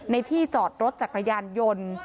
ในที่จอดรถจักรยานยนต์